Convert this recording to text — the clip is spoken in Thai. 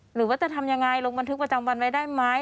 หรือว่าจะทำยังไงลงบันทึกประจำวันไว้ได้ไหม